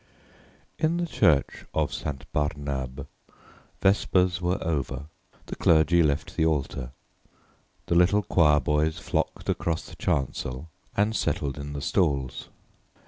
In the Church of St. Barnabé vespers were over; the clergy left the altar; the little choir boys flocked across the chancel and settled in the stalls.